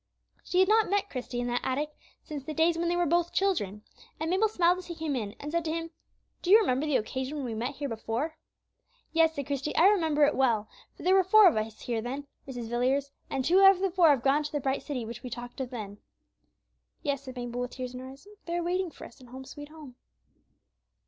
She had not met Christie in that attic since the days when they were both children, and Mabel smiled as he came in, and said to him, "Do you remember the occasion when we met here before?" "Yes," said Christie, "I remember it well; there were four of us here then, Mrs. Villiers, and two out of the four have gone to the bright city which we talked of then." "Yes," said Mabel, with tears in her eyes; "they are waiting for us in 'Home, sweet Home.'"